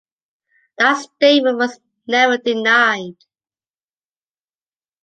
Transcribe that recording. That statement was never denied.